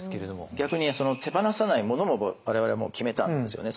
逆に手放さないものも我々もう決めたんですよね。